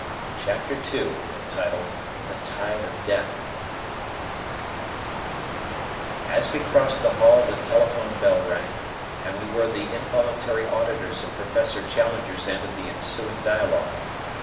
Chapter II THE TIDE OF DEATH As we crossed the hall the telephone bell rang, and we were the involuntary auditors of Professor Challenger's end of the ensuing dialogue.